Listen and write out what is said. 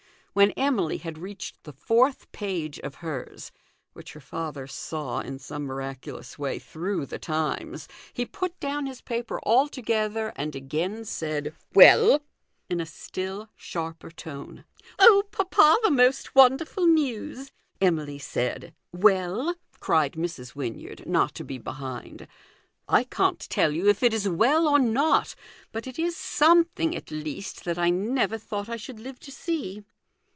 When Emily had reached the fourth page of hers, which her father saw. in some miraculous way, through the Times, he put down his paper altogether and again said, " "Well ?" in a still sharper tone. " Oh, papa ! the most wonderful news," Emily said. "Well?" cried Mrs. Wynyard, not to be behind, "I can't tell you if it is well or not, but it is something, at least, *that I never thought I should live to see."